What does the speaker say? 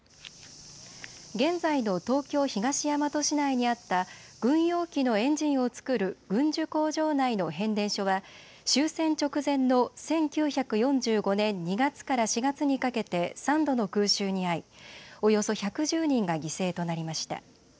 現在の東京東大和市内にあった軍用機のエンジンを作る軍需工場内の変電所は終戦直前の１９４５年２月から４月にかけて３度の空襲に遭いおよそ１１０人が犠牲となりました。